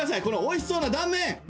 このおいしそうな断面！